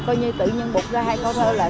coi như tự nhiên bụt ra hai câu thơ là